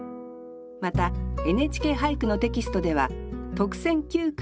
また「ＮＨＫ俳句」のテキストでは特選九句とその他の佳作を掲載します。